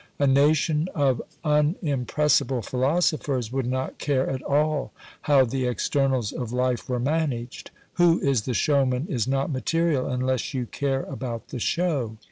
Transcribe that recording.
A nation of unimpressible philosophers would not care at all how the externals of life were managed. Who is the showman is not material unless you care about the show.